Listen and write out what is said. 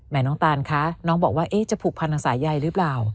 แหม่น้องตานบอกว่าจะผูกพันทางสายใยหรือเปล่า